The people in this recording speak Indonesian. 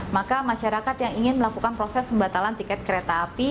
maka masyarakat yang ingin melakukan proses pembatalan tiket kereta api